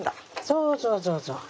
そうそうそうそう。